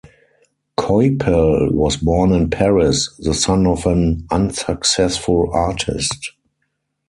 Coypel was born in Paris, the son of an unsuccessful artist.